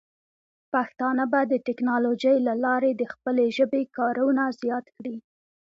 پښتانه به د ټیکنالوجۍ له لارې د خپلې ژبې کارونه زیات کړي.